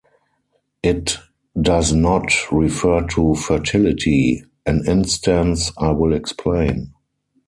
It does not refer to fertility; an instance I will explain.